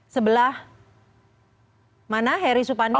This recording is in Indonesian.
sebelah mana heri supandi